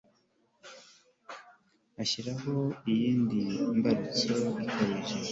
ashyiraho iyindi mbarutso ikabije